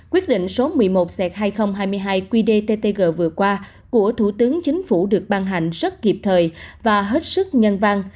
quyết định số một mươi một hai nghìn hai mươi hai qdttg vừa qua của thủ tướng chính phủ được ban hành rất kịp thời và hết sức nhân văn